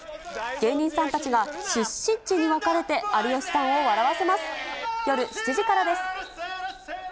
芸人さんたちが、出身地に分かれて、有吉さんを笑わせます。